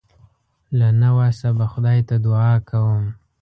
له نه وسه به خدای ته دعا کوم.